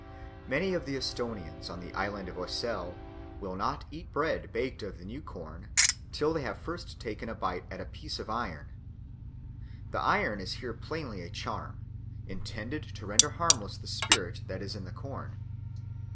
Many of the Esthonians of the island of Oesel will not eat bread baked of the new corn till they have first taken a bite at a piece of iron. The iron is here plainly a charm, intended to render harmless the spirit that is in the corn.